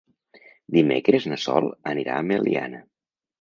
Dimecres na Sol anirà a Meliana.